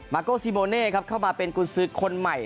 มาโก้ซีโมเน่เข้ามาเป็นกุญศึกคนใหม่